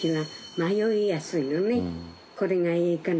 「これがいいかな？